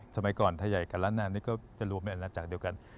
สมัยก่อนทายใหญ่กับร้านนานี่ก็จะรวมเป็นอันนั้นจากเดียวกัน